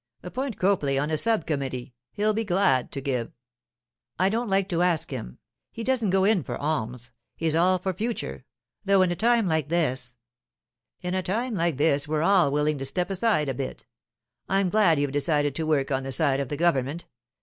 'Appoint Copley on a sub committee. He'll be glad to give.' 'I don't like to ask him. He doesn't go in for alms; he's all for future—though in a time like this——' 'In a time like this we're all willing to step aside a bit. I'm glad you've decided to work on the side of the government.